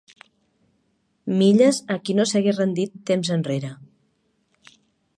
Milles a qui no s'hagués rendit temps enrere.